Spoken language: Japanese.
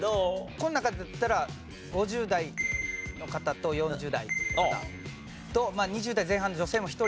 この中だったら５０代の方と４０代の方と２０代前半女性も１人